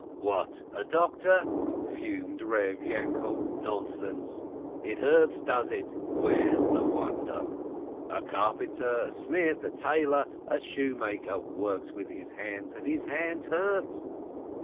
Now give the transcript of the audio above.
"What, a doctor ?" fumed Reb Yainkel. "Nonsense ! It hurts, does it? Where's the wonder? A carpenter, 230 LERNER a smith, a tailor, a shoemaker works with his hands, and his hands hurt.